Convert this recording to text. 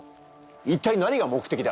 一体何が目的だ？